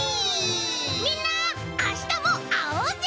みんなあしたもあおうぜ！